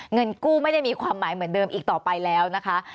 เงินกู้ไม่ได้มีความหมายเหมือนเดิมอีกต่อไปแล้วนะคะ